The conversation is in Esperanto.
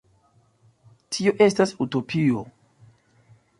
Tio estas utopio.